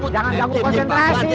jangan ganggu konsentrasi